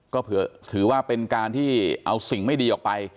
ก็เผื่อถือว่าเป็นการที่เอาสิ่งไม่ดีออกไป